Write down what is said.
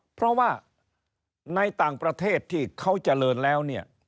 เพราะว่าในต่างประเทศที่เขาเจริญแล้วเนี่ย